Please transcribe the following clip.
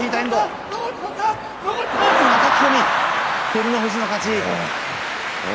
照ノ富士の勝ち。